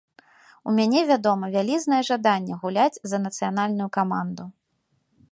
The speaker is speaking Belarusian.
У мяне, вядома, вялізнае жаданне гуляць за нацыянальную каманду.